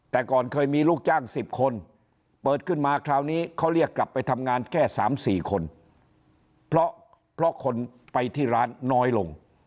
แต่ก่อนเคยมีลูกจ้าง๑๐คนเปิดขึ้นมาคราวนี้เขาเรียกกลับไปทำงานแค่๓๔คนเพราะคนไปที่ร้านน้อยลง